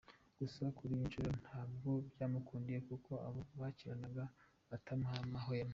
Gusa kuri iyi nshuro ntabwo byamukundiye kuko abo bakinaga batamuhaye amahwemo.